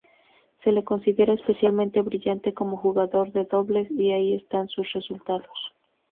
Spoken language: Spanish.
Se le considera especialmente brillante como jugador de dobles, y ahí están sus resultados.